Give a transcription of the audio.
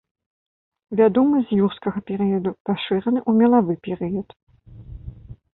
Вядомы з юрскага перыяду, пашыраны ў мелавы перыяд.